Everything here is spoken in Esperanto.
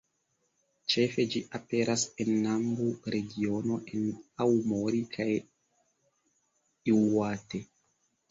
Ĉefe ĝi aperas en Nambu-regiono en Aomori, kaj Iŭate.